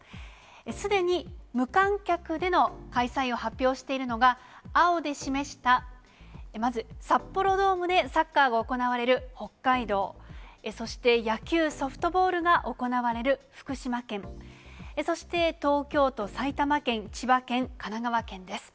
すでに無観客での開催を発表しているのが、青で示したまず、札幌ドームでサッカーが行われる北海道、そして野球・ソフトボールが行われる福島県、そして東京都、埼玉県、千葉県、神奈川県です。